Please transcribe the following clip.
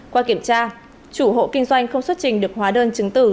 qua kiểm tra chủ hộ kinh doanh không xuất trình được hóa đơn chứng tử